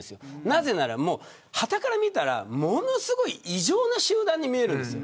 なぜなら、はたから見たらものすごい異常な集団に見えるんです。